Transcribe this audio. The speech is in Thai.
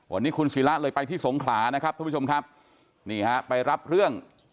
วันนี้คุณศิละเลยไปที่สงขลานะครับท่านผู้ชมครับนี่ฮะไปรับเรื่อง